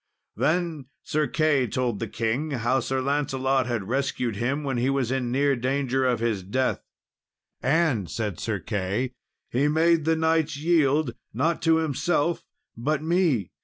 Then Sir Key told the King how Sir Lancelot had rescued him when he was in near danger of his death; "and," said Sir Key, "he made the knights yield, not to himself, but me.